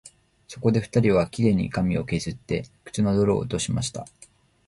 そこで二人は、綺麗に髪をけずって、靴の泥を落としました